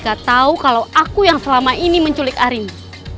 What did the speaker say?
gak tau kalau aku yang selama ini menculik arimu